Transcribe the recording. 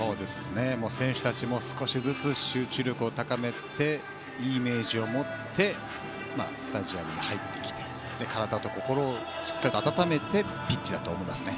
選手たちも少しずつ集中力を高めていいイメージを持ってスタジアムに入ってきて体と心をしっかり温めてピッチだと思いますね。